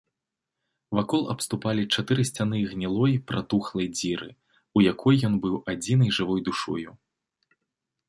Вакол абступалі чатыры сцяны гнілой пратухлай дзіры, у якой ён быў адзінай жывой душою.